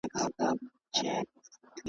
مار له غاره ځالګۍ ته سو وروړاندي .